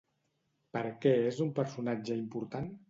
Per què és un personatge important?